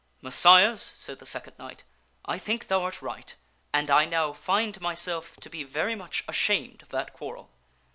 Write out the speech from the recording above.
" Messires," said the second knight, " I think thou art right, and I now find myself to be very much ashamed of that quarrel."